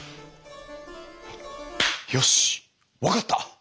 よし分かった！